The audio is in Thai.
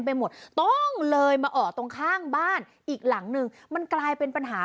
ที่ส่วนตรงกลางบ้านอีกหลังหนึ่งมันกลายเป็นปัญหา